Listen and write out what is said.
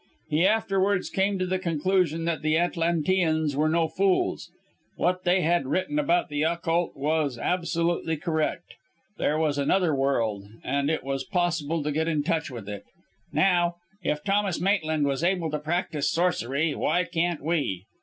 He afterwards came to the conclusion that the Atlanteans were no fools. What they had written about the Occult was absolutely correct there was another world, and it was possible to get in touch with it. Now, if Thomas Maitland was able to practise sorcery, why can't we?